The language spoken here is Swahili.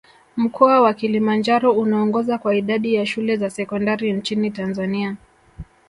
Mkoa wa Kilimanjaro unaongoza kwa idadi ya shule za sekondari nchini Tanzania